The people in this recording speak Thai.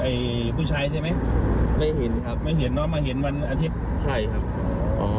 ผู้ชายใช่ไหมไม่เห็นครับไม่เห็นว่ามาเห็นวันอาทิตย์ใช่ครับอ๋อ